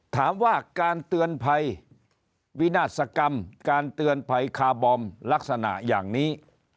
ถามว่าการเตือนภัยวินาศกรรมการเตือนภัยคาร์บอมลักษณะอย่างนี้